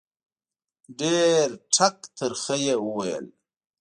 ډېر ټک ترخه یې وویل.